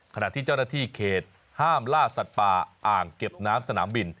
ขณะที่เจ้าหน้าที่เขตห้ามล่าสัตว์ป่าอ่างเก็บน้ำสนามบิน